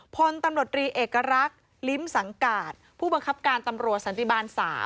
พลตำรวจรีเอกรักษ์ลิ้มสังกาศผู้บังคับการตำรวจสันติบาล๓